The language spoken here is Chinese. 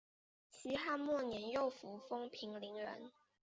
西汉末年右扶风平陵人。